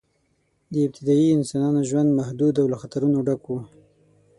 د ابتدایي انسانانو ژوند محدود او له خطرونو ډک و.